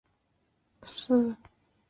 二硫代草酰胺是一种有机化合物。